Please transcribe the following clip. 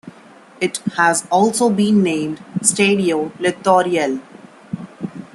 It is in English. It has also been named Stadio Littoriale.